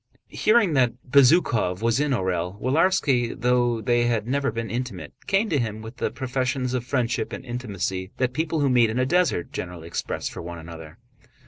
Hearing that Bezúkhov was in Orël, Willarski, though they had never been intimate, came to him with the professions of friendship and intimacy that people who meet in a desert generally express for one another.